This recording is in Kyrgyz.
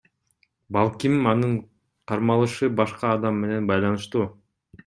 Балким, анын кармалышы башка адам менен байланыштуу.